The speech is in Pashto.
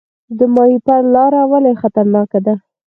د ماهیپر لاره ولې خطرناکه ده؟